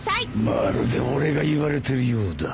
まるで俺が言われてるようだ